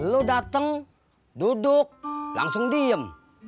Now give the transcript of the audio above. lu datang duduk langsung diem